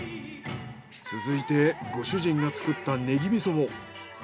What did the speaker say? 続いてご主人が作ったネギ味噌も。